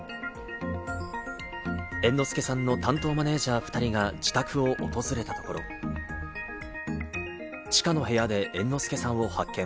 猿之助さんの担当マネジャー２人が自宅を訪れたところ、地下の部屋で猿之助さんを発見。